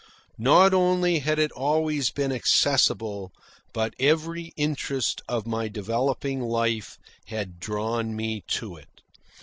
Not only had it always been accessible, but every interest of my developing life had drawn me to it.